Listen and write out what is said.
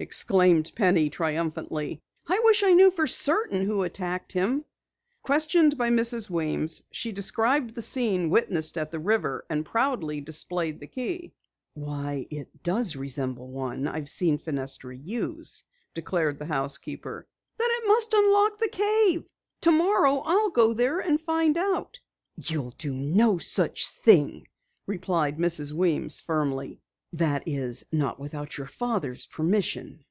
exclaimed Penny triumphantly. "I wish I knew for certain who attacked him." Questioned by Mrs. Weems, she described the scene witnessed at the river, and proudly displayed the key. "Why, it does resemble one I've seen Fenestra use," declared the housekeeper. "Then it must unlock the cave! Tomorrow I'll go there and find out!" "You'll do no such thing," replied Mrs. Weems firmly. "That is, not without your father's permission."